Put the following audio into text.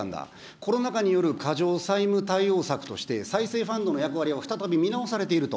コロナ禍による過剰債務対応策について、再生ファンドの役割は再び見直されていると。